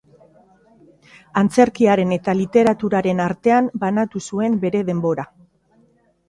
Antzerkiaren eta literaturaren artean banatu zuen bere denbora.